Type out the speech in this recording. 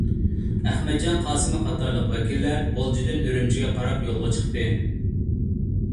ئەخمەتجان قاسىمى قاتارلىق ۋەكىللەر غۇلجىدىن ئۈرۈمچىگە قاراپ يولغا چىقتى.